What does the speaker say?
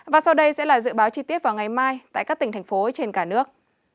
và sau đây sẽ là dự báo chi tiết vào ngày mai tại các tỉnh thành phố trên cả nước